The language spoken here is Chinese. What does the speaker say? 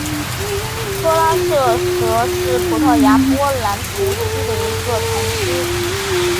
托拉杜什是葡萄牙波尔图区的一个堂区。